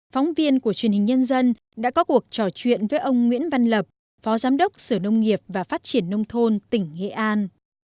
phóng viên của truyền hình nhân dân đã có cuộc trò chuyện với ông nguyễn văn lập phó giám đốc sở nông nghiệp và phát triển nông thôn tỉnh nghệ an